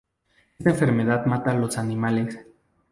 Esta enfermedad mata a los animales.